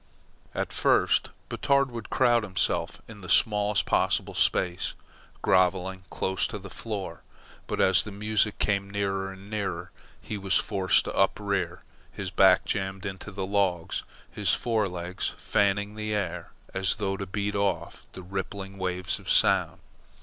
At first Batard would crowd himself into the smallest possible space, grovelling close to the floor; but as the music came nearer and nearer, he was forced to uprear, his back jammed into the logs, his fore legs fanning the air as though to beat off the rippling waves of sound.